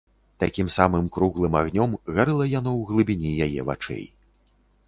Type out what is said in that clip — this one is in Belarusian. Такім самым круглым агнём гарэла яно ў глыбіні яе вачэй.